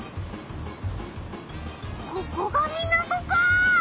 ここが港かあ！